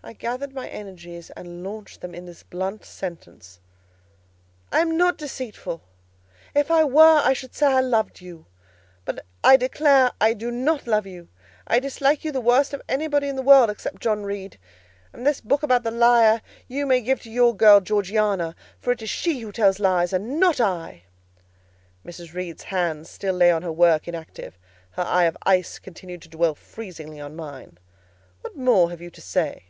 I gathered my energies and launched them in this blunt sentence— "I am not deceitful: if I were, I should say I loved you; but I declare I do not love you: I dislike you the worst of anybody in the world except John Reed; and this book about the liar, you may give to your girl, Georgiana, for it is she who tells lies, and not I." Mrs. Reed's hands still lay on her work inactive: her eye of ice continued to dwell freezingly on mine. "What more have you to say?"